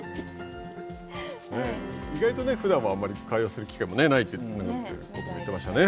意外とふだんは会話する機会もないと言ってましたね。